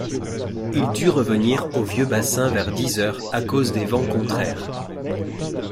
Il dut revenir au vieux bassin vers dix heures à cause des vents contraires.